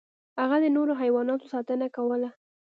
هغه د نورو حیواناتو ساتنه کوله.